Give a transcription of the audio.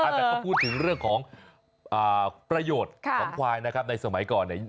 แต่ก็พูดถึงเรื่องของประโยชน์ของควายนะครับในสมัยก่อนเนี่ย